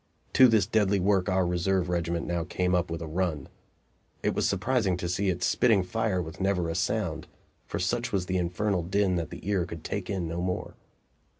To this deadly work our reserve regiment now came up with a run. It was surprising to see it spitting fire with never a sound, for such was the infernal din that the ear could take in no more.